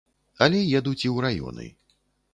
Але едуць і ў раёны.